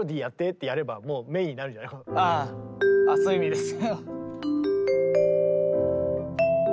あそういう意味です。